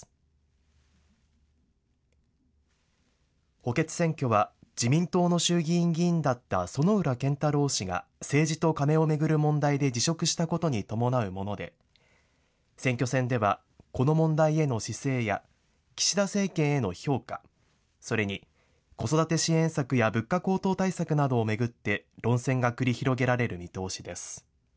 補欠選挙は、自民党の衆議院議員だった薗浦健太郎氏が政治とカネを巡る問題で辞職したことに伴うもので、選挙戦ではこの問題への姿勢や、岸田政権への評価、それに子育て支援策や物価高騰対策などを巡って論戦が繰り広げられる見通しです。